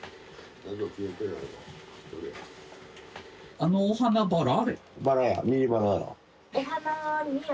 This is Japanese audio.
あのお花バラ？